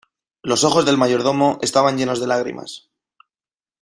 los ojos del mayordomo estaban llenos de lágrimas.